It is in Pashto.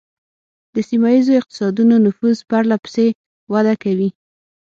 د سیمه ایزو اقتصادونو نفوذ پرله پسې وده کوي